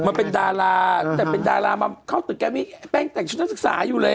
มาเป็นดาราเป็นดารามันเข้าแล้วจะแป้งแสดงเสื้อนนางศึกษาอยู่เลย